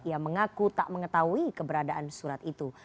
ia mengaku tak mengetahui keberadaan surat itu